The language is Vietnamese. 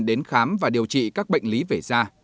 đến khám và điều trị các bệnh lý về da